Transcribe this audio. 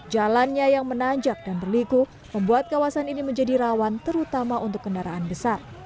jalannya yang menanjak dan berliku membuat kawasan ini menjadi rawan terutama untuk kendaraan besar